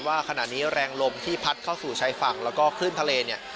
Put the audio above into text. ว่าขณะนี้แรงลมที่พัดเข้าสู่ชายฝั่งแล้วก็คลื่นทะเลเนี่ย